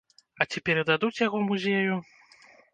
А ці перададуць яго музею?